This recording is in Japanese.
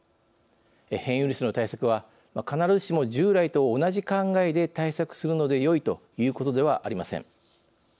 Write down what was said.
変異ウイルスの対策は必ずしも従来と同じ考えで対策するのでよいということではありません。